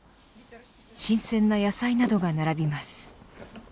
新鮮な野菜などが並びます。